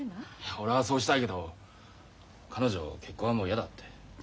俺はそうしたいけど彼女結婚はもう嫌だって。